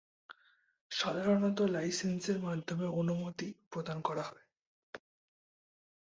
সাধারণত লাইসেন্সের মাধ্যমে অনুমতি প্রদান করা হয়।